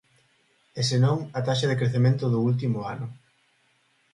E se non, a taxa de crecemento do último ano.